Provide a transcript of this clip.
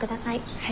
はい。